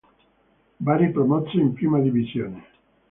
Bari promosso in Prima Divisione.